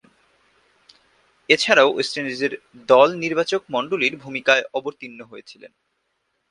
এছাড়াও, ওয়েস্ট ইন্ডিজের দল নির্বাচকমণ্ডলীর ভূমিকায় অবতীর্ণ হয়েছিলেন।